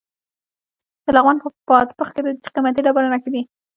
د لغمان په بادپخ کې د قیمتي ډبرو نښې دي.